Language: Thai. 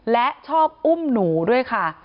และชอบอุ้มหนูด้วยค่ะ